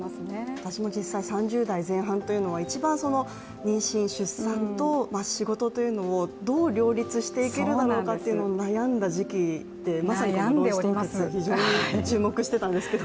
私も実際３０代前半というのは一番妊娠・出産というのと仕事というのをどう両立していけるのかというのに悩んだ時期で、まさに卵子凍結、非常に注目していたんですが。